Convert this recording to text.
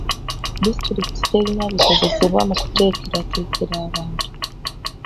Disitulikiti terina bikozesebwa mu kuteekerateekera abantu.